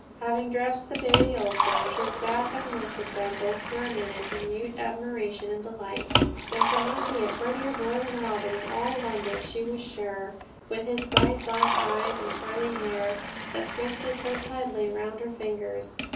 Having dressed the baby also, she sat and looked at them both for a minute in mute admiration and delight. There could not be a prettier boy than Robin in all London, she was sure, with his bright black eyes and curly hair, that twisted so tightly round her fingers.